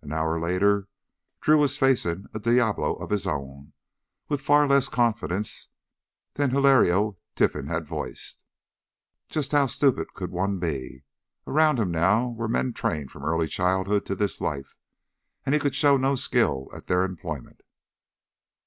An hour later Drew was facing a diablo of his own, with far less confidence than Hilario Trinfan had voiced. Just how stupid could one be? Around him now were men trained from early childhood to this life, and he could show no skill at their employment.